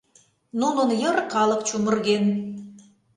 Нунын йыр калык чумырген.